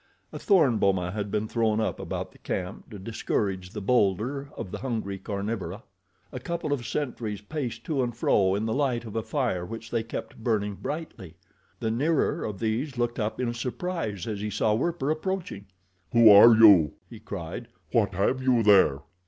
A thorn boma had been thrown up about the camp, to discourage the bolder of the hungry carnivora. A couple of sentries paced to and fro in the light of a fire which they kept burning brightly. The nearer of these looked up in surprise as he saw Werper approaching. "Who are you?" he cried. "What have you there?"